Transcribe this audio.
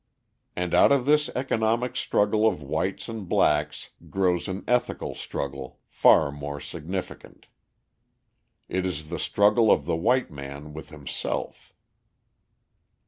And out of this economic struggle of whites and blacks grows an ethical struggle far more significant. It is the struggle of the white man with himself.